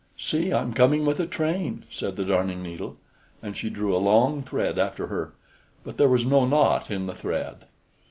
"See, I'm coming with a train!" said the Darning needle, and she drew a long thread after her, but there was no knot in the thread.